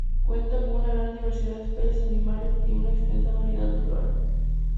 Cuenta con una gran diversidad de especies animales y una extensa variedad de flora.